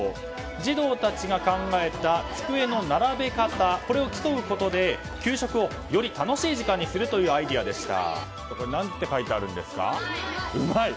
生徒たちが考えた机の並べ方これを競うことで給食をより楽しい時間にするというアイデアでした。